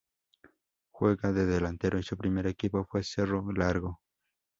Juega de delantero y su primer equipo fue Cerro Largo.